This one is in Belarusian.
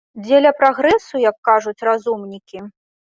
Дзеля прагрэсу, як кажуць разумнікі?